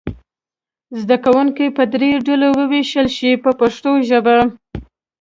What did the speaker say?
زده کوونکي به دریو ډلو وویشل شي په پښتو ژبه.